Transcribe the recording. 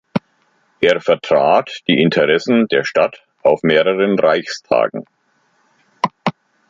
Er vertrat die Interessen der Stadt auf mehreren Reichstagen.